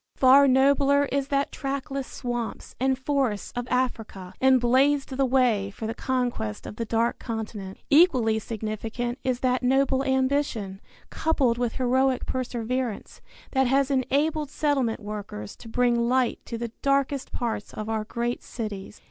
Far nobler is that quiet, courageous perseverance which led Livingston through the trackless swamps and forests of Africa and blazed the way for the conquest of the dark continent. Equally significant is that noble ambition, coupled with heroic perseverance, that has enabled settlement workers to bring light to the darkest parts of our great cities.